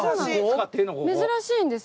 珍しいんです。